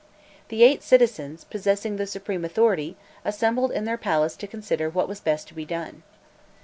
The eight citizens, possessing the supreme authority, assembled in their palace to consider what was best to be done.